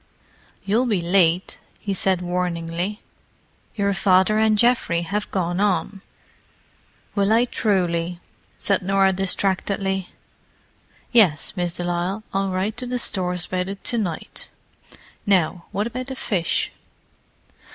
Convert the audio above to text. "You'll be late," he said warningly. "Your father and Geoffrey have gone on." "Will I truly?" said Norah distractedly. "Yes, Miss de Lisle, I'll write to the Stores about it to night. Now, what about the fish?"